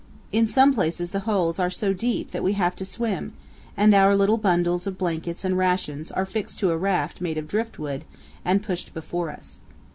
In some places the holes are so deep that we have to swim, and our little bundles of blankets and rations are fixed to a raft made of driftwood and pushed before us.